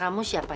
kamu ada apa apa